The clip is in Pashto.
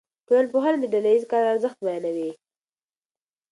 ټولنپوهنه د ډله ایز کار ارزښت بیانوي.